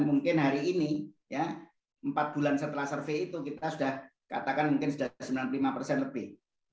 mungkin hari ini ya empat bulan setelah survei itu kita sudah katakan mungkin sudah sembilan puluh lima persen lebih